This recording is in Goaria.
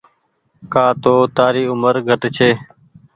ڪآ تو تآري اومر گھٽ ڇي۔